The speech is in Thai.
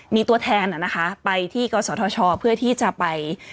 มีตัวแทนอ่ะนะคะไปที่เกาะสวทชเพื่อที่จะไป